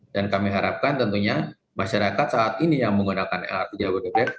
dan kami harapkan tentunya masyarakat saat ini yang menggunakan lrt jabodebek